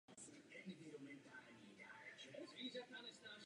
Studijní kroužky dnes mají ve Švédsku širokou vnitrostátní podporu.